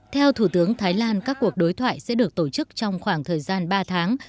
theo thủ tướng thái lan các cuộc đối thoại sẽ được tổ chức trong khoảng thời gian ba tháng